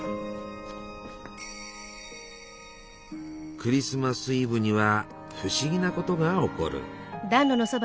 クリスマス・イブには不思議なことが起こる。